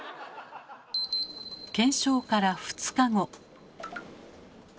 検証から２日後。